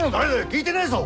聞いてねえぞ！